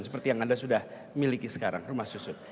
seperti yang anda sudah miliki sekarang rumah susun